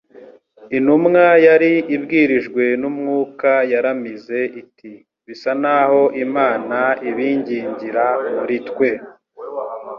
Intumwa yari ibwirijwe n'umwuka yaramize iti : "bisa naho Imana ibingingira muri twe.